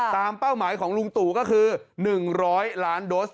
เป้าหมายของลุงตู่ก็คือ๑๐๐ล้านโดส